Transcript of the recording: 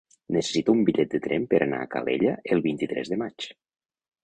Necessito un bitllet de tren per anar a Calella el vint-i-tres de maig.